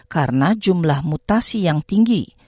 karena jumlah mutasi yang tinggi